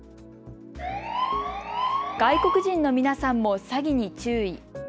外国人の皆さんも詐欺に注意。